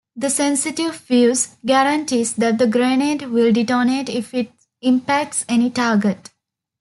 The sensitive fuze guarantees that the grenade will detonate if it impacts any target.